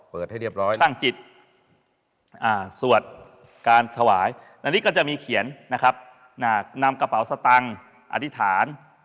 เปิดให้เรียบร้อย